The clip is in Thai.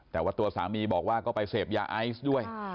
แต่ว่าตัวสามีบอกว่าก็ไปเสพยาไอซ์ด้วย